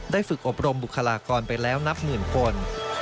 ฝึกอบรมบุคลากรไปแล้วนับหมื่นคน